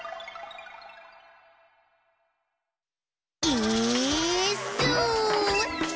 「イーッス」